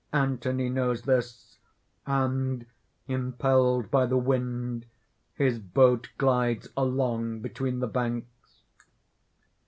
Anthony knows this; and impelled by the wind, his boat glides along between the banks.